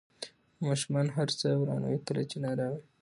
ماشومان هر څه ورانوي کله چې نارامه وي.